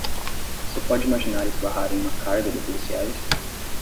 Você pode imaginar esbarrar em uma carga de policiais?